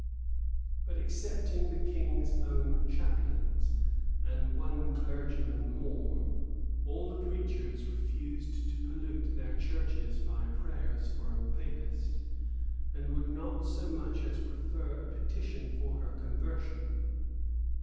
But, excepting the king's own chaplains, and one clergyman more, all the preachers refused to pollute their churches by prayers for a Papist, and would not so much as prefer a petition for her conversion.